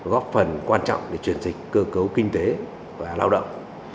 góp phần quan trọng để chuyển dịch cơ cấu kinh tế và lao động